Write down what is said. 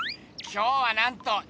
今日はなんと！